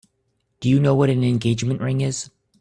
Do you know what an engagement ring is?